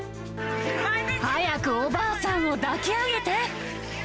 早くおばあさんを抱き上げて。